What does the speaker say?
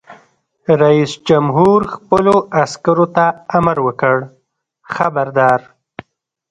رئیس جمهور خپلو عسکرو ته امر وکړ؛ خبردار!